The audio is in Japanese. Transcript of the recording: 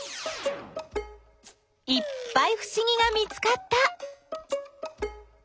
いっぱいふしぎが見つかった！